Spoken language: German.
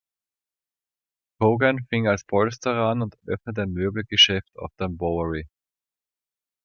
Coogan fing als Polsterer an und öffnete ein Möbelgeschäft auf der Bowery.